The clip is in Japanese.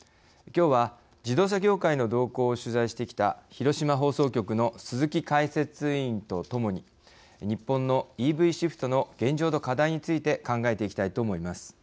きょうは自動車業界の動向を取材してきた広島放送局の鈴木解説委員と共に日本のＥＶシフトの現状と課題について考えていきたいと思います。